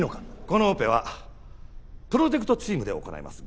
このオペはプロジェクトチームで行います。